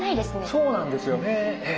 そうなんですよねええ。